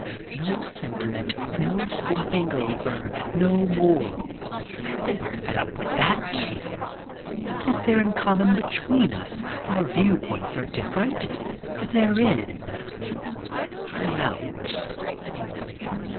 No sentiment, no slopping over, no morals — they are fed up with that. What is there in common between us? Our viewpoints are entirely different. They're in — I'm out.